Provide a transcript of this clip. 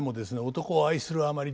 男を愛するあまり